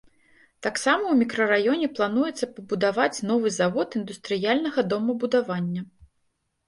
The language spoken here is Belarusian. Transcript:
Таксама ў мікрараёне плануецца пабудаваць новы завод індустрыяльнага домабудавання.